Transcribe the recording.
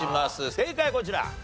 正解こちら。